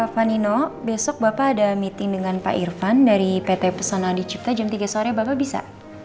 panino besok bapak ada meeting dengan pak irvan dari pt personal dicipta jam tiga sore bapak bisa